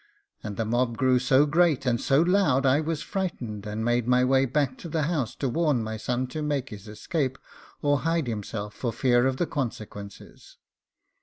And the mob grew so great and so loud, I was frightened, and made my way back to the house to warn my son to make his escape, or hide himself for fear of the consequences.